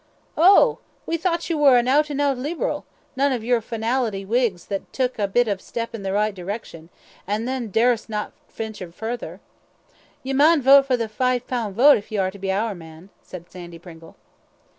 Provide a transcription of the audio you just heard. "Oh! we thocht ye were an oot an' oot Leeberal nane o' your finality Whigs that took ae bit step in the richt direction, and then durstna venture further. Ye maun vote for the five pound vote if ye are to be oor man," said Sandy Pringle.